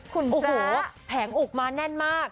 คุณพระโอ้โหแผงอกมาแน่นมาก